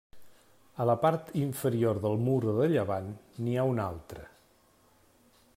A la part inferior del mur de llevant n'hi ha una altra.